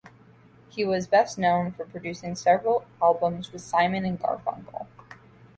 He was best known for producing several albums with Simon and Garfunkel.